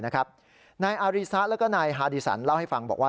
นายอาริซะแล้วก็นายฮาดีสันเล่าให้ฟังบอกว่า